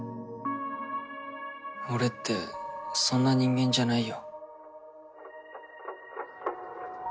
俺ってそんな人間じゃないよ